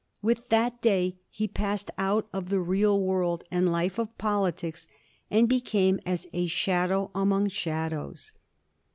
With that day he passed out of the real world and life of poli tics, and became as a shadow among shadows.